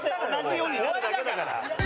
終わりだから。